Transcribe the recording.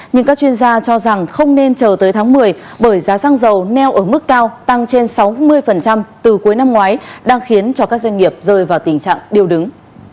nhưng các chuyên gia cho rằng không nên chờ tới tháng một mươi bởi giá xăng dầu neo ở mức cao tăng trên sáu mươi từ cuối năm ngoái đang khiến cho các doanh nghiệp rơi vào tình trạng điều đứng